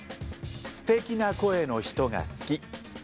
「すてきな声の人が好き」。